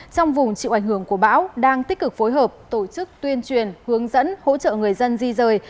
trong vùng chịu ảnh hưởng của bão đang tích cực phối hợp tổ chức tuyên truyền hướng dẫn hỗ trợ người dân di rời